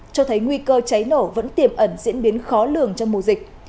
cho thấy nguy cơ cháy nổ vẫn tiềm ẩn diễn biến khó lường trong mùa dịch